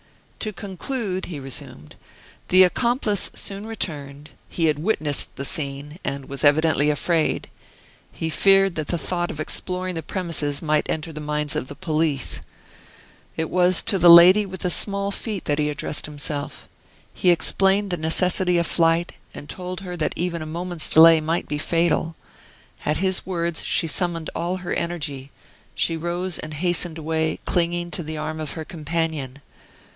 "To conclude," he resumed, "the accomplice soon returned, he had witnessed the scene, and was evidently afraid. He feared that the thought of exploring the premises might enter the minds of the police. It was to the lady with small feet that he addressed himself. He explained the necessity of flight, and told her that even a moment's delay might be fatal. At his words, she summoned all her energy; she rose and hastened away, clinging to the arm of her companion.